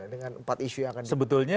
dengan empat isu yang akan sebetulnya